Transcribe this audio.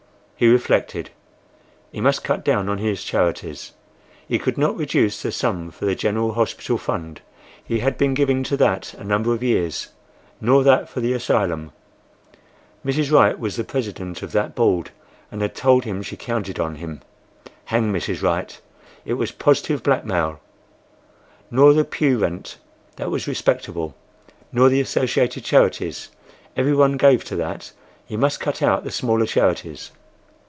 He reflected. He must cut down on his charities. He could not reduce the sum for the General Hospital Fund; he had been giving to that a number of years.—Nor that for the asylum; Mrs. Wright was the president of that board, and had told him she counted on him.—Hang Mrs. Wright! It was positive blackmail!—Nor the pew rent; that was respectable—nor the Associated Charities; every one gave to that. He must cut out the smaller charities.